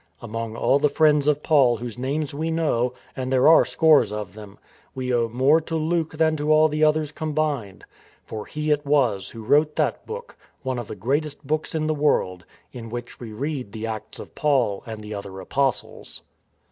Among all the friends of Paul whose 182 THE FORWARD TREAD names we know (and there are scores of them), we owe more to Luke than to all the others combined. For he it was who wrote that book — one of the greatest books in the world — in which we read the Acts of Paul and the other Apostles.